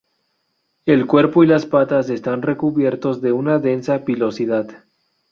El cuerpo y las patas están recubiertos de una densa pilosidad.